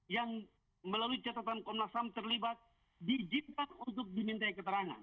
yang melalui catatan komnas ham terlibat diizinkan untuk dimintai keterangan